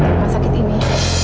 dari masyarakat ini